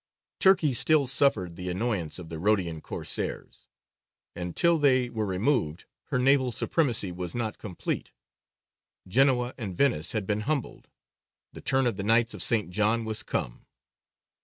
Turkey still suffered the annoyance of the Rhodian Corsairs, and till they were removed her naval supremacy was not complete. Genoa and Venice had been humbled: the turn of the Knights of St. John was come.